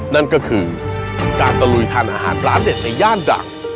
นั่นก็คือการตะลุยทานอาหารร้านเด็ดในย่านดัง